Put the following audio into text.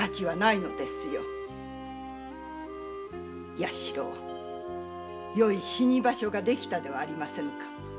弥四郎よい死に場所ができたではありませぬか。